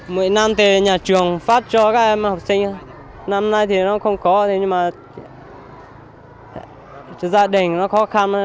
mỗi năm thì nhà trường phát cho các em học sinh năm nay thì nó không có nhưng mà gia đình nó khó khăn